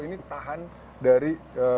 ini tahan dari